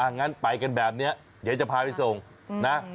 งั้นไปกันแบบนี้เดี๋ยวจะพาไปส่งนะ